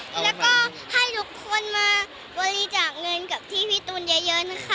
แล้วก็ให้ทุกคนมาบริจาคเงินกับที่พี่ตูนเยอะนะคะ